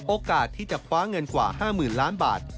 โอกาสที่จะคว้าเงินกว่า๕๐๐๐ล้านบาท